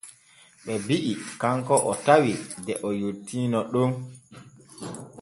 Ɓe bi’i kanko o tawi de o yottiino ɗon.